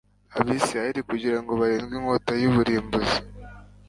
Abisirayeli kugira ngo barindwe inkota y'umurimbuzi